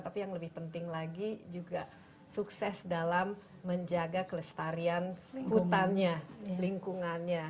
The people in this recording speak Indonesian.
tapi yang lebih penting lagi juga sukses dalam menjaga kelestarian hutannya lingkungannya